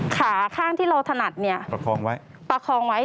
ขาข้างที่เราถนัดเนี่ยประคองไว้